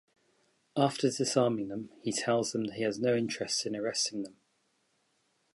After disarming them, he tells them that he has no interest in arresting them.